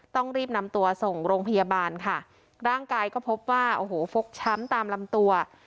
ต้องรีบนำตัวส่งโรงพยาบาลค่ะร่างกายก็พบว่าโอ้โหฟกช้ำตามลำตัว